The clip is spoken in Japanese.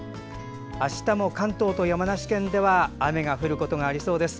あしたも関東と山梨県では、雨が降ることがありそうです。